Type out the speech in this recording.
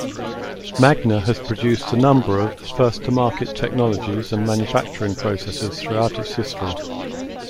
Magna has produced a number of first-to-market technologies and manufacturing processes throughout its history.